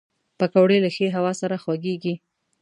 پکورې له ښې هوا سره خوږېږي